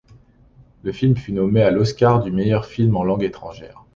Le film fut nommé à l'Oscar du meilleur film en langue étrangère.